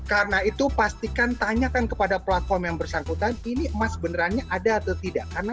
karena itu pastikan tanyakan kepada platform yang bersangkutan ini emas benerannya ada atau tidak